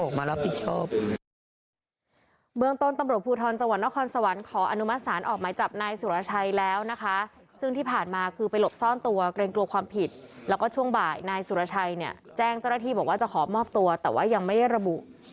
ใครมาออกมารับผิดชอบ